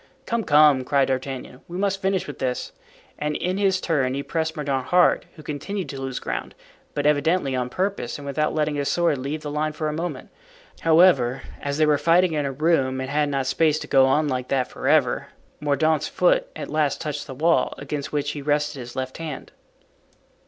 "Come, come," cried D'Artagnan, "we must finish with this," and in his turn he pressed Mordaunt hard, who continued to lose ground, but evidently on purpose and without letting his sword leave the line for a moment. However, as they were fighting in a room and had not space to go on like that forever, Mordaunt's foot at last touched the wall, against which he rested his left hand.